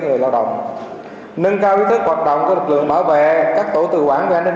người lao động nâng cao ý thức hoạt động của lực lượng bảo vệ các tổ tự quản về an ninh